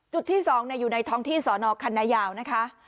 จุดที่๒ในท้องที่สนคัณะยาวนะคะ